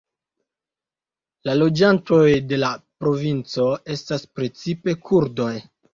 La loĝantoj de la provinco estas precipe kurdoj.